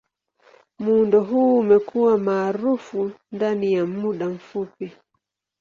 Muundo huu umekuwa maarufu ndani ya muda mfupi.